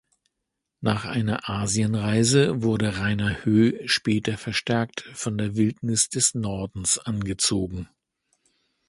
Nach einer Asienreise wurde Rainer Höh später verstärkt von der Wildnis des Nordens angezogen.